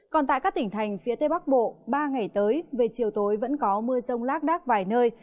còn tại các tỉnh thành phía tây bắc bộ ba ngày tới về chiều tối vẫn có mưa rông lác đác vài nơi